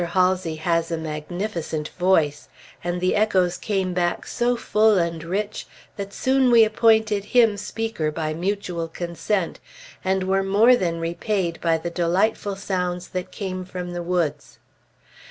Halsey has a magnificent voice; and the echoes came back so full and rich that soon we appointed him speaker by mutual consent, and were more than repaid by the delightful sounds that came from the woods.